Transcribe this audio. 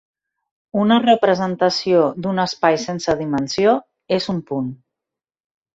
Una representació d'un espai sense dimensió, és un punt.